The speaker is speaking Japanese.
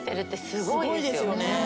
すごいですよね。